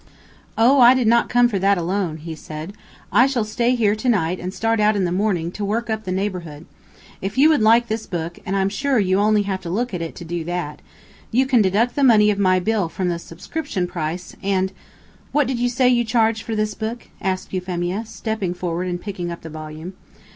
"Oh, I did not come for that alone," he said. "I shall stay here to night and start out in the morning to work up the neighborhood. If you would like this book and I'm sure you have only to look at it to do that you can deduct the amount of my bill from the subscription price, and " "What did you say you charged for this book?" asked Euphemia, stepping forward and picking up the volume.